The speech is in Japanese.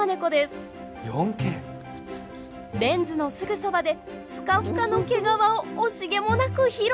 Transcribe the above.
レンズのすぐそばでふかふかの毛皮を惜しげもなく披露！